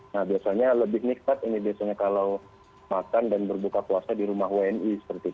nah biasanya lebih nikmat ini biasanya kalau makan dan berbuka puasa di rumah wni